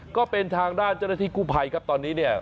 ก็เป็นทางด้านเจ้าหน้าที่กู้ภัยครับตอนนี้เนี่ย